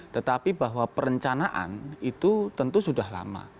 tetapi bahwa perencanaan itu tentu sudah lama